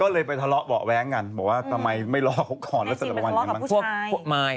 ก็เลยไปทะเลาะเบาะแว้งมากันบอกว่าไม่รอก่อนเหมือนจะหลังทะเลากับผู้ชาย